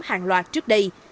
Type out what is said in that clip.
hàng loạt trước đây